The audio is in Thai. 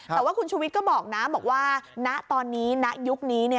แต่ว่าคุณชุวิตก็บอกนะบอกว่าณตอนนี้ณยุคนี้